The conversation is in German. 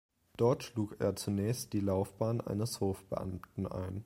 Dort schlug er zunächst die Laufbahn eines Hofbeamten ein.